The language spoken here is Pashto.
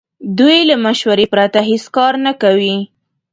دوی له مشورې پرته هیڅ کار نه کوي.